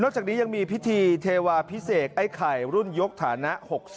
จากนี้ยังมีพิธีเทวาพิเศษไอ้ไข่รุ่นยกฐานะ๖๐